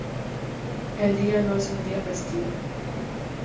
El día no es un día festivo.